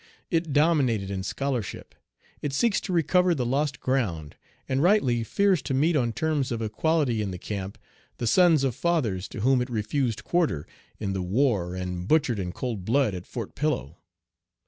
It dominated in scholarship. It seeks to recover the lost ground, and rightly fears to meet on terms of equality in the camp the sons of fathers to whom it refused quarter in the war and butchered in cold blood at Fort Pillow.